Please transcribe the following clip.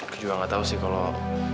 gue juga gak tau sih kalau